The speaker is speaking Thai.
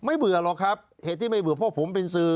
เบื่อหรอกครับเหตุที่ไม่เบื่อเพราะผมเป็นสื่อ